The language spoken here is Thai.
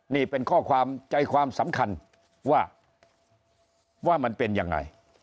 นี่เป็นข้อความใจความสำคัญว่าว่ามันเป็นยังไง